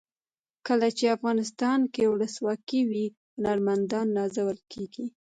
کله چې افغانستان کې ولسواکي وي هنرمندان نازول کیږي.